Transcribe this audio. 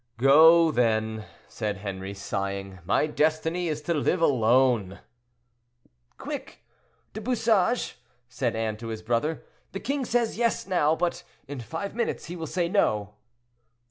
"Go, then," said Henri, sighing; "my destiny is to live alone." "Quick! Du Bouchage," said Anne to his brother. "The king says yes now; but in five minutes he will say no."